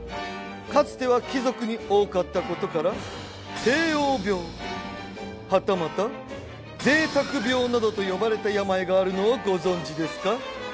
かつては貴族に多かったことから帝王病はたまた贅沢病などと呼ばれた病があるのをご存じですか？